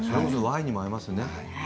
ワインにも合いますね